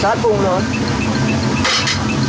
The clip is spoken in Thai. ซอสปรุงรส